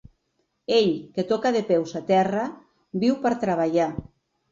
Ell, que toca de peus a terra, viu per treballar.